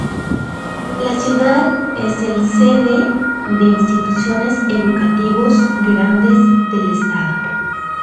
La ciudad es el sede de instituciones educativos grandes del estado.